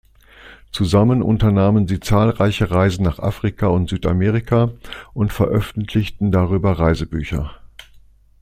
Zusammen unternahmen sie zahlreiche Reisen nach Afrika und Südamerika und veröffentlichten darüber Reisebücher.